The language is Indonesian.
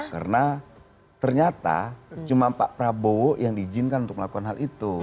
karena ternyata cuma pak prabowo yang diizinkan untuk melakukan hal itu